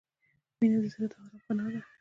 • مینه د زړه د آرام پناه ده.